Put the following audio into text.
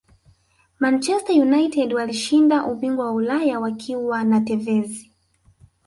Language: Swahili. manchester united walishinda ubingwa wa ulaya wakiwa na tevez